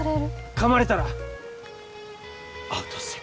かまれたらアウトっすよ。